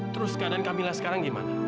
terus keadaan kamila sekarang gimana